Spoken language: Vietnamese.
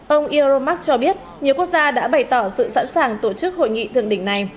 ông iromac cho biết nhiều quốc gia đã bày tỏ sự sẵn sàng tổ chức hội nghị thượng đỉnh này